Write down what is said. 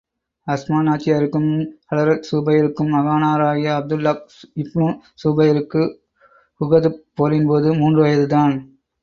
அஸ்மா நாச்சியாருக்கும், ஹலரத் ஸுபைருக்கும் மகனாராகிய அப்துல்லாஹ் இப்னு ஸூபைருக்கு, உஹதுப் போரின்போது மூன்று வயதுதான்.